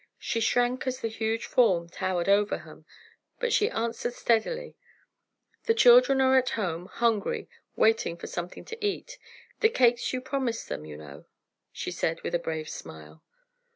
She shrank as the huge form towered over her, but she answered steadily: "The children are at home, hungry, waiting for something to eat—the cakes you promised them, you know," she said with a brave smile.